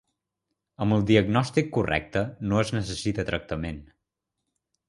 Amb el diagnòstic correcte, no es necessita tractament.